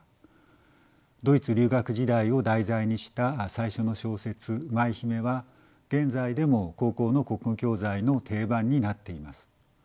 ドイツ留学時代を題材にした最初の小説「舞姫」は現在でも高校の国語教材の定番になっています。